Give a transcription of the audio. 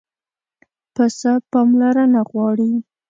پسه پاملرنه غواړي.